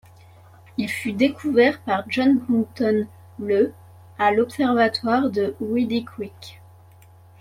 Il fut découvert par John Broughton le à l'observatoire de Reedy Creek.